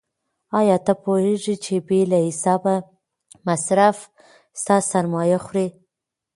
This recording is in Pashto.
آیا ته پوهېږې چې بې له حسابه مصرف ستا سرمایه خوري؟